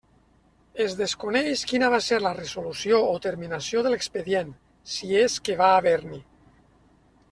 Es desconeix quina va ser la resolució o terminació de l'expedient, si és que va haver-n'hi.